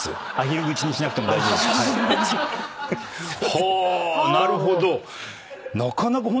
はぁなるほど。